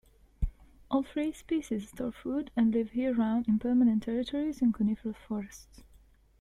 All three species store food and live year-round on permanent territories in coniferous forests.